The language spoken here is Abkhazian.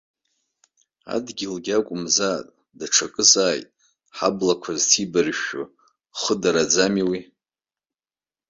Адгьылгьы акәымзааит, даҽакызааит ҳаблақәа зҭибаршәшәо, хыдараӡами уи.